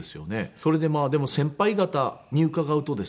それでまあでも先輩方に伺うとですね